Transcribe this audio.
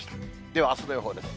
ではあすの予報です。